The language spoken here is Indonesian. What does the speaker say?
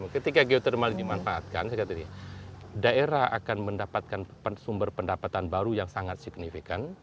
ketika geotermal dimanfaatkan daerah akan mendapatkan sumber pendapatan baru yang sangat signifikan